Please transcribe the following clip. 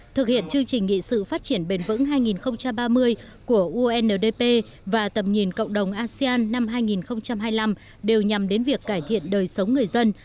thực hiện chương trình nghị sự phát triển bền vững hai nghìn ba mươi của undp và tầm nhìn cộng đồng asean năm hai nghìn hai mươi năm đều nhằm đến việc cải thiện đời sống người dân